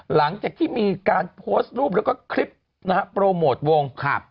หลังจากที่มีการโพสต์รูปแล้วก็คลิปนะฮะโปรโมทวงครับ